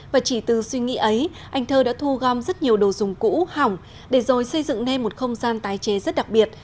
và chỉ từ suy nghĩ ấy anh thơ đã thu gom rất nhiều đồ dùng cũ hỏng để rồi xây dựng nên một không gian tái chế rất đặc biệt